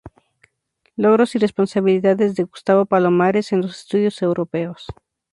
Logros y responsabilidades de Gustavo Palomares en los estudios europeos.